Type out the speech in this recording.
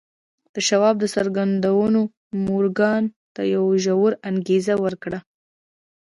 د شواب څرګندونو مورګان ته يوه ژوره انګېزه ورکړه.